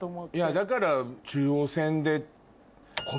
だから中央線で。